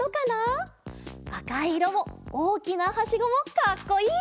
あかいいろもおおきなはしごもかっこいい！